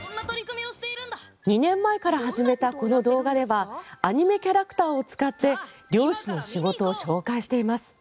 ２年前から始めたこの動画ではアニメキャラクターを使って漁師の仕事を紹介しています。